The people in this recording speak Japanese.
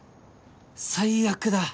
最悪だ！